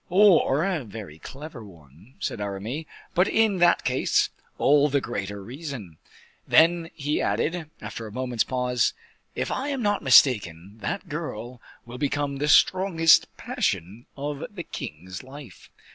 "Or a very clever one," said Aramis; "but in that case, all the greater reason." Then he added, after a moment's pause, "If I am not mistaken, that girl will become the strongest passion of the king's life.